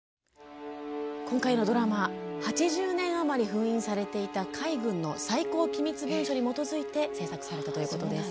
今回のドラマは８０年余り封印されていた海軍の最高機密文書に基づいて制作されました。